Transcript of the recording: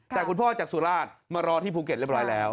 แต่คุณพ่อจากสุราชมารอที่ภูเก็ตเรียบร้อยแล้ว